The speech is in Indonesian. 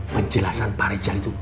penjelasan pak rijal itu